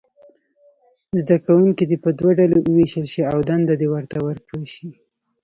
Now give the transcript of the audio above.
زده کوونکي دې په دوو ډلو وویشل شي او دنده ورته ورکړل شي.